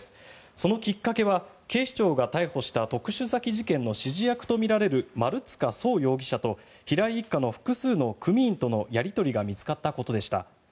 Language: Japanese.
そのきっかけは警視庁が逮捕した特殊詐欺事件の指示役とみられる丸塚創容疑者と平井一家の複数の組員とのやり取りが見つかったことでした。